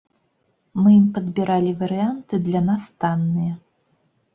Мы ім падбіралі варыянты, для нас танныя.